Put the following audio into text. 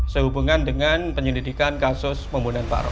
sehubungan dengan penyelidikan kasus pembunuhan baru